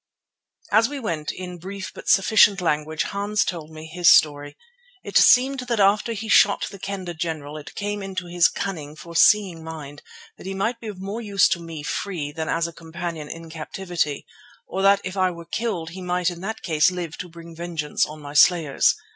As we went, in brief but sufficient language Hans told me his story. It seemed that after he had shot the Kendah general it came into his cunning, foreseeing mind that he might be of more use to me free than as a companion in captivity, or that if I were killed he might in that case live to bring vengeance on my slayers.